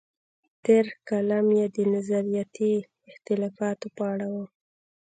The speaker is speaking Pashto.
تېر کالم یې د نظریاتي اختلافاتو په اړه و.